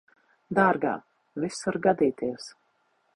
Dārgā, viss var gadīties.